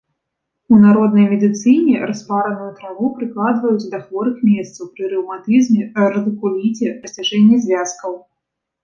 У народнай медыцыне распараную траву прыкладваюць да хворых месцаў пры рэўматызме, радыкуліце, расцяжэнні звязкаў.